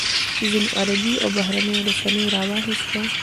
ځینو عربي او بهرنیو رسنیو راواخیسته.